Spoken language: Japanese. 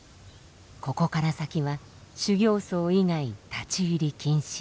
ここから先は修行僧以外立ち入り禁止。